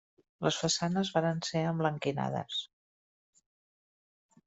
Les façanes varen ser emblanquinades.